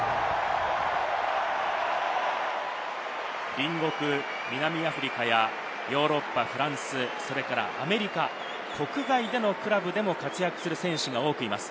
隣国、南アフリカやヨーロッパ、フランス、それからアメリカ、国外でのクラブでも活躍する選手が多くいます。